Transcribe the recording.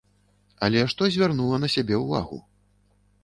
Але што звярнула на сябе ўвагу?